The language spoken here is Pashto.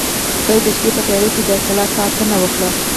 سپي د شپې په تیاره کې د کلا ساتنه وکړه.